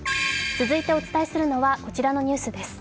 続いてお伝えするのはこちらのニュースです。